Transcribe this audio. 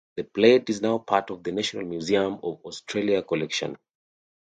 The plate is now part of the National Museum of Australia collection.